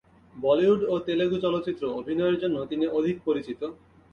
বলিউড ও তেলুগু চলচ্চিত্র অভিনয়ের জন্য তিনি অধিক পরিচিত।